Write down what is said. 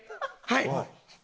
はい。